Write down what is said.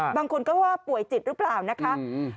บางคนก็ว่าป่วยจิตหรือเปล่านะคะ